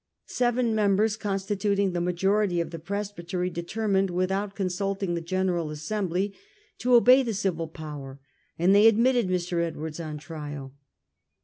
Seven members constituting the majority of the presbytery determined, without con sulting the General Assembly, to obey the civil power, and they admitted Mr. Edwards on trial.